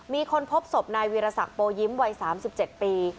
มีคนพบศพนายวีรศักดิ์โปยิ้มวัย๓๗ปี